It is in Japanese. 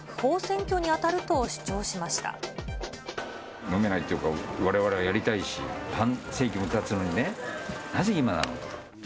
つまり、飲めないというか、われわれはやりたいし、半世紀もたつのにね、なぜ今なのか。